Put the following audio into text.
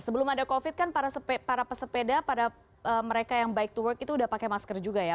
sebelum ada covid kan para pesepeda para mereka yang bike to work itu sudah pakai masker juga ya